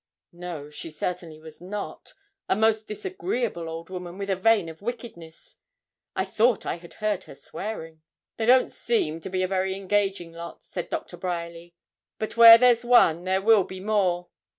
No, she certainly was not; a most disagreeable old woman, with a vein of wickedness. I thought I had heard her swearing. 'They don't seem to be a very engaging lot,' said Doctor Bryerly; 'but where there's one, there will be more.